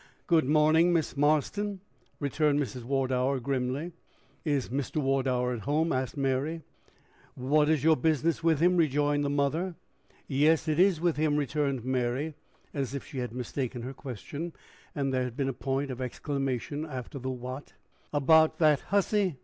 "Good morning, Miss Marston," returned Mrs. Wardour, grimly. "Is Mr. Wardour at home?" asked Mary. "What is your business with him?" rejoined the mother. "Yes; it is with him," returned Mary, as if she had mistaken her question, and there had been a point of exclamation after the What. "About that hussy?"